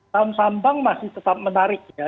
saham saham bank masih tetap menarik ya